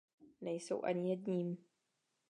Nejsou ani jedním.